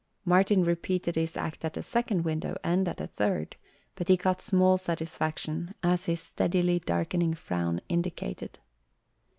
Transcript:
Martin repeated his act at a second window and at a third, but he got small satisfaction, as his steadily darkening frown indicated.